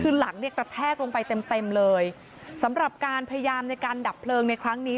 คือหลังเนี่ยกระแทกลงไปเต็มเต็มเลยสำหรับการพยายามในการดับเพลิงในครั้งนี้